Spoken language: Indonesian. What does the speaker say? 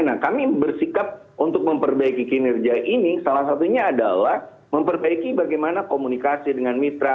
nah kami bersikap untuk memperbaiki kinerja ini salah satunya adalah memperbaiki bagaimana komunikasi dengan mitra